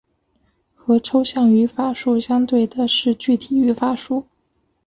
和抽象语法树相对的是具体语法树。